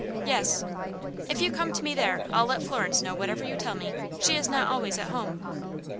"Yes." "If you come to me there I'll let Florence know whatever you tell me. She is not always at home."